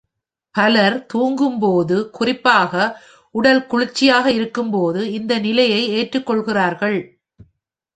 பலர் தூங்கும் போது, குறிப்பாக உடல் குளிர்ச்சியாக இருக்கும்போது இந்த நிலையை ஏற்றுக்கொள்கிறார்கள்.